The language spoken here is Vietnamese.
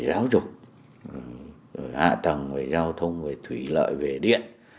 giáo dục hạ tầng về giao thông về thủy lợi về điện